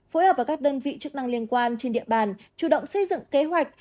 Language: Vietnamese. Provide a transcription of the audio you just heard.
phối hợp với các đơn vị chức năng liên quan trên địa bàn chủ động xây dựng kế hoạch